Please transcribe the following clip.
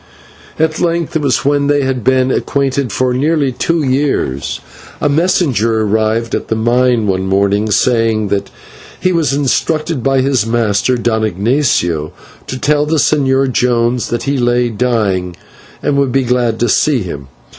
At length, it was when they had been acquainted for nearly two years, a messenger arrived at the mine one morning, saying that he was instructed by his master, Don Ignatio, to tell the Señor Jones that he lay dying and would be glad to see him.